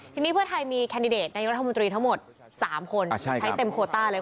ทีนี้เพื่อไทยมีแคนดิเดตนายกรัฐมนตรีทั้งหมด๓คนใช้เต็มโคต้าเลย